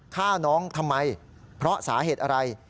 ฆ่าน้องทำไมเพราะสาเหตุอะไร